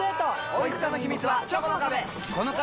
おいしさの秘密はチョコの壁！